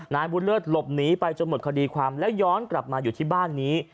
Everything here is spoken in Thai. นายบุญเลิศหลบหนีไปจนหมดคดีความแล้วย้อนกลับมาอยู่ที่บ้านนี้